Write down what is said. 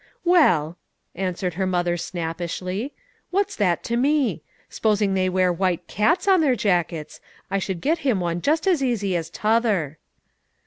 "Well," answered her mother snappishly, "what's that to me? S'posing they wear white cats on their jackets, I could get him one just as easy as t'other."